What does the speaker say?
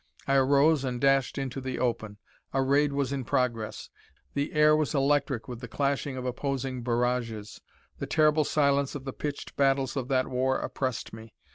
I arose and dashed into the open. A raid was in progress. The air was electric with the clashing of opposing barrages. The terrible silence of the pitched battles of that war oppressed me.